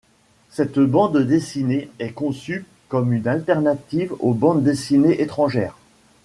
Cette bande dessinée est conçue comme une alternative aux bande-dessinées étrangères.